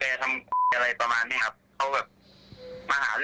หนูก็ไม่รู้สำหรับเตะมันใช้สำหรับทำอะไร